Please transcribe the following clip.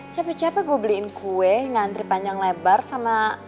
capek capek gue beliin kue ngantri panjang lebar sama